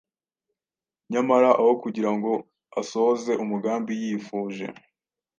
Nyamara aho kugira ngo asohoze umugambi yifuje